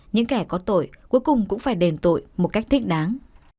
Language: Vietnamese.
những kẻ có tội cuối cùng cũng phải đền tội một cách thích đáng